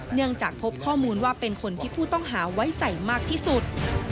เนื่องจากพบข้อมูลว่าเป็นคนที่ผู้ต้องหาไว้ใจมากที่สุด